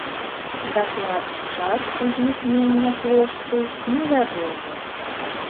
Дакладны час узнікнення плошчы невядомы.